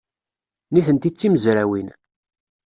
Nitenti d timezrawin.